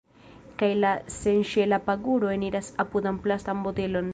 Kaj la senŝela paguro eniras apudan plastan botelon.